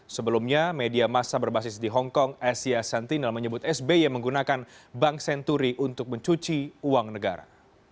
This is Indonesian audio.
sebelumnya media masa berbasis di hongkong asia sentinel menyebut sby menggunakan bank senturi untuk mencuci uang negara